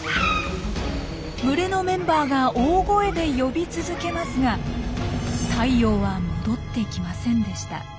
群れのメンバーが大声で呼び続けますがタイヨウは戻ってきませんでした。